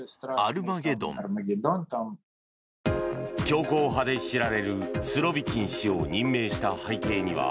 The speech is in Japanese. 強硬派で知られるスロビキン氏を任命した背景には